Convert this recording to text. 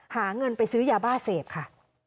หาเงินไปซื้อยาบ้าเสพค่ะ